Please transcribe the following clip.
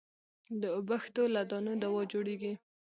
د اوبښتو له دانو دوا جوړېږي.